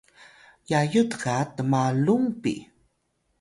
Yayut ga tmalung pi?